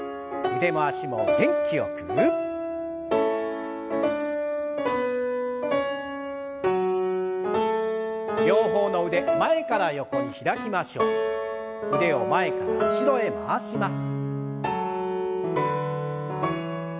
腕を前から後ろへ回します。